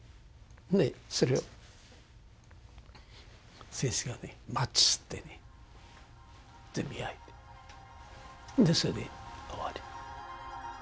でそれを先生がねマッチすってね全部焼いてそれで終わり。